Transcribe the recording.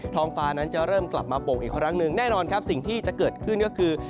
ท้องฟ้านั้นจะเริ่มกลับมาโป่งอีกครั้งหนึ่งแน่นอนครับสิ่งที่จะเกิดขึ้นก็คือ